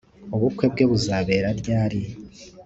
Ubukwe bwe buzabera ryari